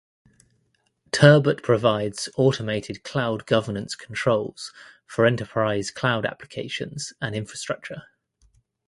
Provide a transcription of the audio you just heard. Turbot provides automated cloud governance controls for enterprise cloud applications and infrastructure.